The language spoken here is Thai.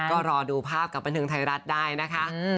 ก็รอดูภาพกับบันเทิงไทยรัฐได้นะคะ